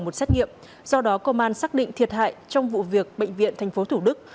một xét nghiệm do đó công an xác định thiệt hại trong vụ việc bệnh viện tp thủ đức